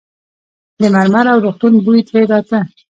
د مرمر او روغتون بوی ترې راته.